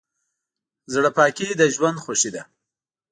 زړه پاکي د ژوند خوښي ده.